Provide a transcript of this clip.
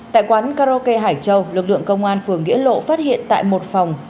tại quán karaoke hải châu lực lượng công an phường nghĩa lộ phát hiện tại một phòng